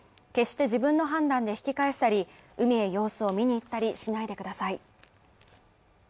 決して自分の判断で引き返したり、梅様子を見に行ったりしないでください。